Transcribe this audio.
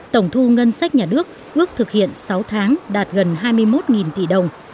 tổng thu ngân sách nhà nước ước thực hiện sáu tháng đạt gần hai mươi một tỷ đồng